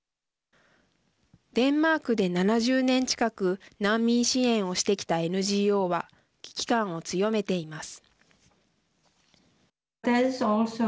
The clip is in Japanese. デンマークで７０年近く難民支援をしてきたＮＧＯは危機感を強めています。